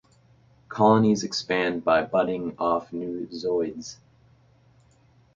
Colonies expand by budding off new zooids.